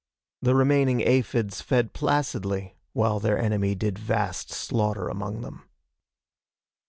The remaining aphids fed placidly while their enemy did vast slaughter among them.